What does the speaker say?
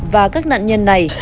và các nạn nhân này